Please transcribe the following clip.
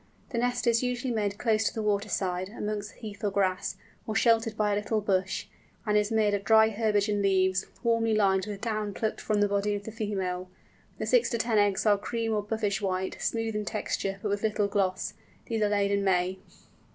The nest is usually made close to the water side, amongst heath or grass, or sheltered by a little bush, and is made of dry herbage and leaves, warmly lined with down plucked from the body of the female. The six to ten eggs are cream or buffish white, smooth in texture, but with little gloss. These are laid in May.